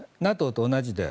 ＮＡＴＯと同じで。